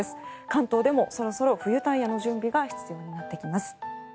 関東でもそろそろ冬タイヤの準備が必要になってきます。